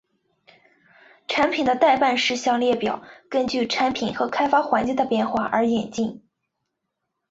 产品待办事项列表根据产品和开发环境的变化而演进。